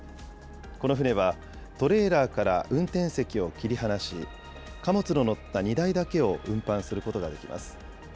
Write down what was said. この船は、トレーラーから運転席を切り離し、貨物の乗った荷台だけを運搬することができます。